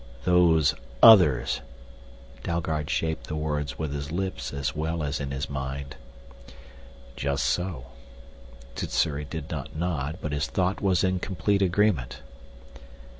"Those Others!" Dalgard shaped the words with his lips as well as in his mind. "Just so." Sssuri did not nod, but his thought was in complete agreement.